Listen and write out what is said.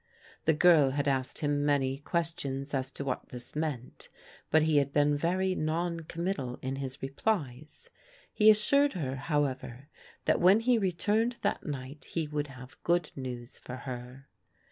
The girl had asked him many ques tions as to what this meant, but he had been very non committal in his replies. He assured her, however, that when he returned that night he would have good news for her.